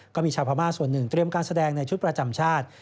ก็มีชาวพม่าส่วนหนึ่งเตรียมการแสดงในชุดประจำชาติ